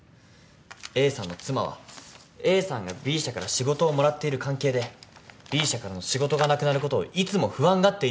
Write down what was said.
Ａさんの妻はＡさんがＢ社から仕事をもらっている関係でＢ社からの仕事がなくなることをいつも不安がっていたと証言しています。